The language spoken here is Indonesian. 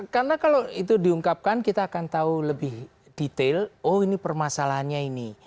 karena kalau itu diungkapkan kita akan tahu lebih detail oh ini permasalahannya ini